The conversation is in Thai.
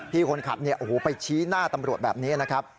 คนขับไปชี้หน้าตำรวจแบบนี้นะครับ